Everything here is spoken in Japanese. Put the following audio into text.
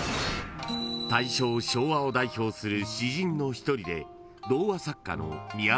［大正昭和を代表する詩人の一人で童話作家の］